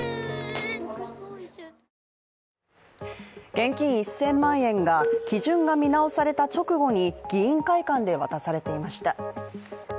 現金１０００万円が基準が見直された直後に議員会館で渡されていました。